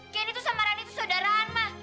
candy tuh sama rani tuh saudaraan ma